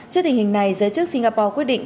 trước tình hình này giới chức singapore quyết định